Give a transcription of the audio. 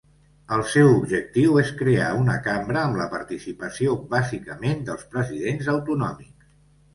El seu objectiu és crear una cambra amb la participació bàsicament dels presidents autonòmics.